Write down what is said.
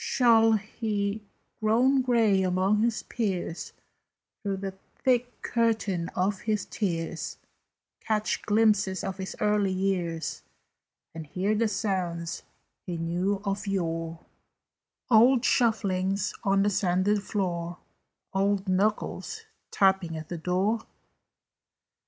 "Shall he, grown gray among his peers, Through the thick curtain of his tears Catch glimpses of his earlier years, [Illustration: "SHALL MAN BE MAN?"] "And hear the sounds he knew of yore, Old shufflings on the sanded floor, Old knuckles tapping at the door?